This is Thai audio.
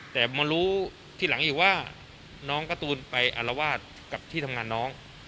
แต่มารู้ทีหลังอีกว่าน้องการ์ตูนไปอารวาสกับที่ทำงานน้อง